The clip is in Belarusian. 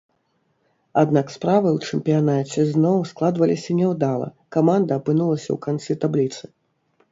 Аднак справы ў чэмпіянаце зноў складваліся няўдала, каманда апынулася ў канцы табліцы.